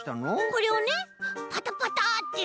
これをねパタパタってすると。